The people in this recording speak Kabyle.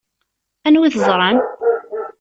Anwa i teẓṛam?